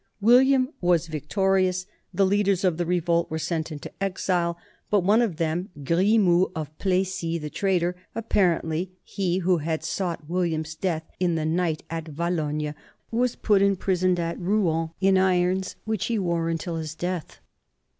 William was victorious; the 60 NORMANS IN EUROPEAN HISTORY leaders of the revolt were sent into exile, but one of them, Grimoud of Plessis, the traitor, apparently he who had sought William's death in the night at Va lognes, was put in prison at Rouen in irons which he wore until his death.